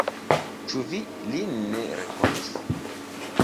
Ĉu vi lin ne rekonis?